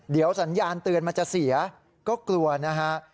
เดี๋ยวสัญญาณเตือนมันจะเสียก็กลัวนะฮะ